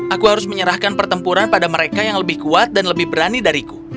aku harus menyerahkan pertempuran pada mereka yang lebih kuat dan lebih berani dariku